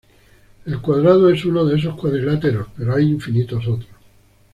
El cuadrado es uno de esos cuadriláteros, pero hay infinitos otros.